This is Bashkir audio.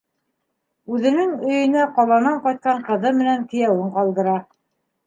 Үҙенең өйөнә ҡаланан ҡайтҡан ҡыҙы менән кейәүен ҡалдыра.